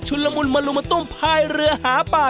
ชุนลงมุนหมลุมตุงพายเรือหาป้า